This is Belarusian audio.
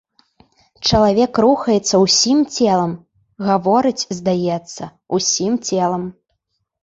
Чалавек рухаецца ўсім целам, гаворыць, здаецца, усім целам.